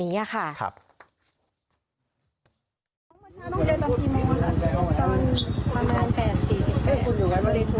แม่งเลยขึ้นไปรวม